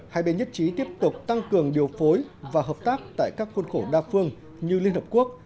hai bên nhất trí tiếp tục tăng cường điều phối và hợp tác tại các khuôn khổ đa phương như liên hợp quốc